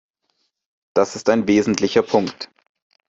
Das ist ein wesentlicher Punkt.